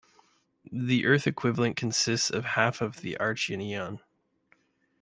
The Earth equivalent consists of half of the Archean eon.